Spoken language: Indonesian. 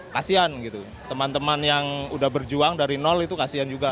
kasian gitu teman teman yang udah berjuang dari nol itu kasian juga